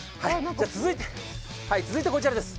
続いてこちらです。